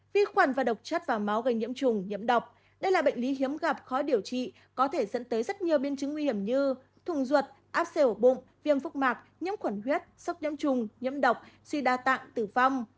vi khuẩn và độc chất và máu gây nhiễm trùng nhiễm độc đây là bệnh lý hiếm gặp khó điều trị có thể dẫn tới rất nhiều biến chứng nguy hiểm như thùng ruột áp ổ bụng viêm phúc mạc nhiễm khuẩn huyết sốc nhiễm trùng nhiễm độc suy đa tạng tử vong